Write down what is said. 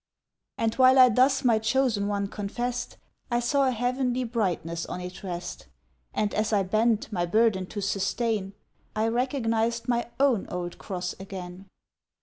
And, while I thus my chosen one confessed, I saw a heavenly brightness on it rest; And as I bent, my burden to sustain, I recognized my own old cross again.